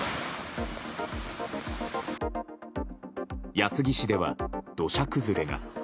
安来市では土砂崩れが。